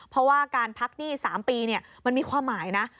เพราะว่าการพักหนี้๓ปีมันมีความหมายนะ